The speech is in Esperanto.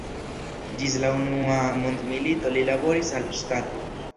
Ĝis la unua mondmilito li laboris al ŝtato.